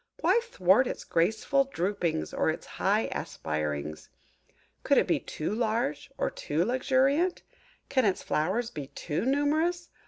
Why thwart its graceful droopings or its high aspirings? Can it be too large or too luxuriant? Can its flowers be too numerous?